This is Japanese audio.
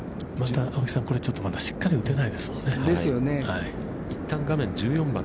◆青木さん、これまだしっかり打てないですもんね。